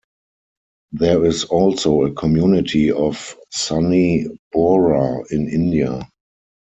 There is also a community of Sunni Bohra in India.